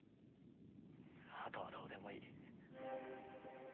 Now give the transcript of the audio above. あとはどうでもいい。